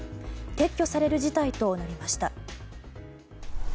撤去される事態となりました。